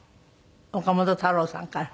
岡本太郎さんから。